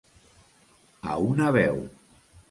A una veu.